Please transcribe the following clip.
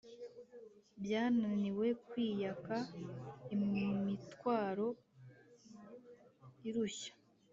byananiwe kwiyaka imitwaro irushya